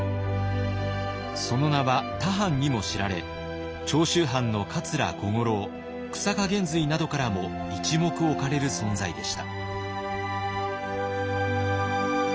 その名は他藩にも知られ長州藩の桂小五郎久坂玄瑞などからも一目置かれる存在でした。